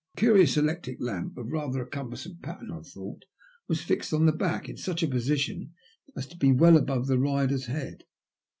A curious electric lamp of rather a cumber some pattern, I thought, was fixed on the back in such a position as to be well above the rider's head.